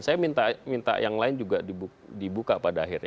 saya minta yang lain juga dibuka pada akhirnya